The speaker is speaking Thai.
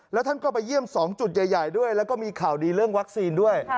แล้วท่านก็ไปเยี่ยม๒จุดใหญ่ด้วยแล้วก็มีข่าวดีเรื่องวัคซีนด้วย